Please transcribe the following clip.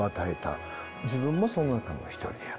自分もその中の一人である。